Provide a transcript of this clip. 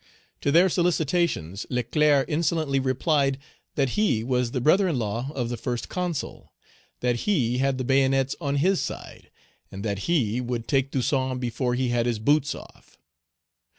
To their solicitations, Leclerc insolently replied, that he was the brother in law of the First Consul, that he had the bayonets on his side, and that he would take Toussaint before he had his boots off.